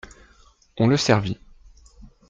On le servit.